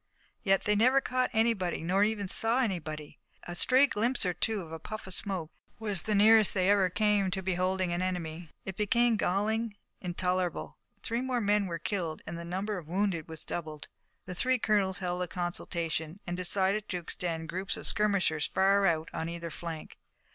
Yet they never caught anybody nor even saw anybody. A stray glimpse or two of a puff of smoke was the nearest they ever came to beholding an enemy. It became galling, intolerable. Three more men were killed and the number of wounded was doubled. The three colonels held a consultation, and decided to extend groups of skirmishers far out on either flank.